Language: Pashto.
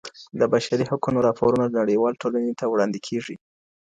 د بشري حقونو راپورونه نړیوالي ټولني ته وړاندي کیږي.